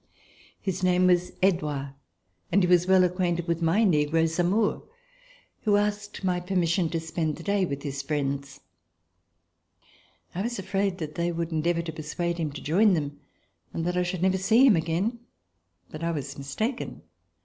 His name was Edouard and he was well acquainted with my negro, Zamore, who asked my permission to spend the day with his friends. I was afraid that they would en deavor to persuade him to join them and that I should never see him again, but I was mistaken.